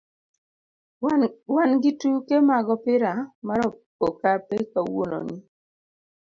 wan gi tuke mag opira mar okape kawuononi.